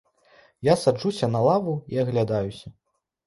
Я саджуся на лаву і аглядаюся.